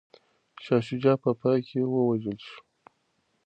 شاه شجاع په پای کي ووژل شو.